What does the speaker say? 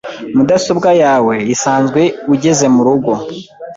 mudasobwa yawe isanzwe ugeze murugo.